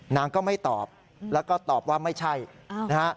นางก็ไม่ตอบแล้วก็ตอบว่าไม่ใช่นะฮะ